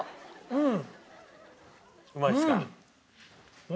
うん。